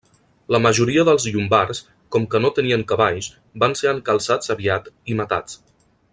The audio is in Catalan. La majoria dels llombards, com que no tenien cavalls, van ser encalçats aviat i matats.